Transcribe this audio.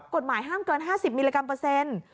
กฎหมายห้ามเกิน๕๐มิลลิกรัมเปอร์เซ็นต์